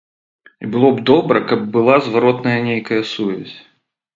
І было б добра, каб была зваротная нейкая сувязь.